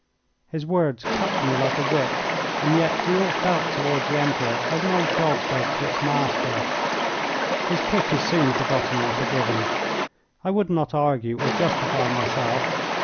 His words cut me like a whip, and yet we all felt toward the Emperor as an old dog does to its master. His kick is soon forgotten and forgiven. I would not argue or justify myself.